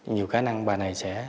nhiều khả năng bà này sẽ